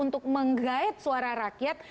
untuk menggait suara rakyat